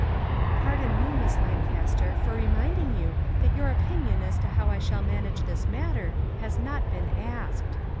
" Pardon me, Miss Lancaster, for reminding 383 MAG AND MARGARET you that your opinion as to how I shall manage this matter has not been asked.